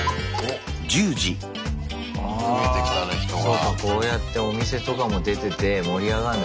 そうかこうやってお店とかも出てて盛り上がるんだ